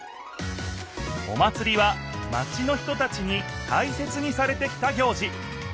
お祭りはマチの人たちにたいせつにされてきた行事。